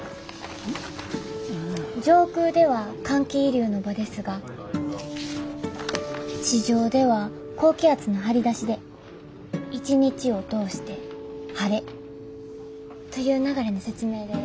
上空では寒気移流の場ですが地上では高気圧の張り出しで一日を通して晴れという流れの説明でどうでしょうか？